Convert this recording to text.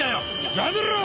やめろよ！